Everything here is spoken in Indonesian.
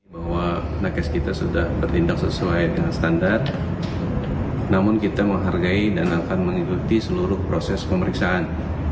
bahwa nakes kita sudah bertindak sesuai dengan standar namun kita menghargai dan akan mengikuti seluruh proses pemeriksaan